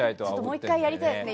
もう１回やりたいですね。